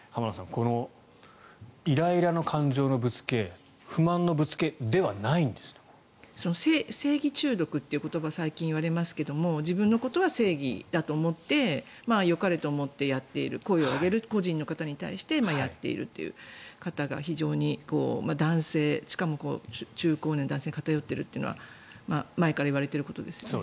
このイライラの感情のぶつけ正義中毒という言葉が最近、言われますが自分のことは正義だと思ってよかれと思ってやっている個人の方に対してやっているという方が非常に男性しかも中高年の男性に偏っているというのは前から言われていることですね。